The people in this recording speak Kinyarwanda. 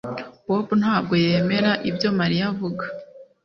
Bobo ntabwo yemera ibyo Mariya avuga